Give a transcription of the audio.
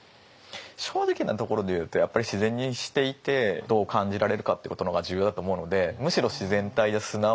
正直なところで言うとやっぱり自然にしていてどう感じられるかっていうことの方が重要だと思うのでむしろ難しいですね。